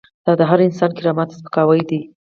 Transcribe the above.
دا د هر انسان کرامت ته سپکاوی دی.